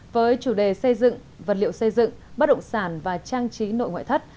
với chủ đề xây dựng vật liệu xây dựng bất động sản và trang trí nội ngoại thất